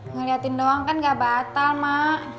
ngeliatin doang kan gak batal mak